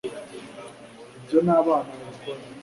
ibyo ni abana babikora